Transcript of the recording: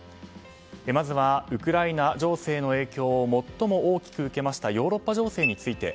まずはウクライナ情勢の影響を最も大きく受けましたヨーロッパ情勢について。